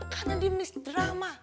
karena dia misdrama